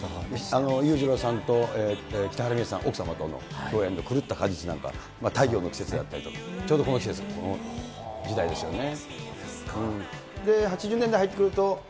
裕次郎さんと北原みえさん、奥様との共演の狂った果実なんかとか、たいようのきせつだったりとか、ちょうどこの時代ですよね。